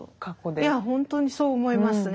いや本当にそう思いますね。